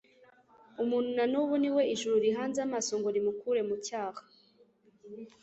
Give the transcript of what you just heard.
Umuntu na n'ubu ni we ijuru rihanze amaso ngo rimukure mu cyaha